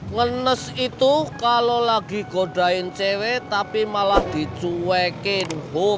ngenes itu kalau lagi godain cewek tapi malah dicuekin